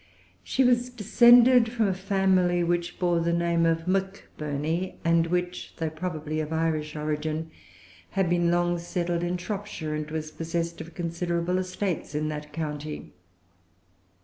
She was descended from a family which bore the name of Macburney, and which, though probably of Irish origin, had been long settled in Shropshire, and was possessed of considerable estates in that county.